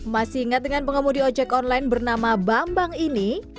masih ingat dengan pengemudi ojek online bernama bambang ini